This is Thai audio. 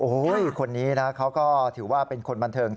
โอ้โหคนนี้นะเขาก็ถือว่าเป็นคนบันเทิง